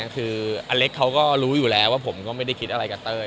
คืออเล็กเขาก็รู้อยู่แล้วว่าผมก็ไม่ได้คิดอะไรกับเต้ย